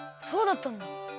そうだったんだ。